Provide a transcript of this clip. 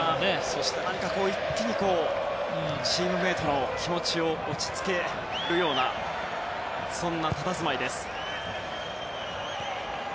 そして、何か一気にチームメートの気持ちを落ち着けるようなたたずまいです。